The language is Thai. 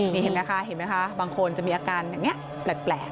นี่เห็นไหมคะบางคนจะมีอาการแบบนี้แปลก